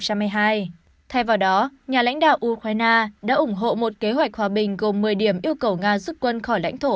thay vào đó nhà lãnh đạo ukraine đã ủng hộ một kế hoạch hòa bình gồm một mươi điểm yêu cầu nga rút quân khỏi lãnh thổ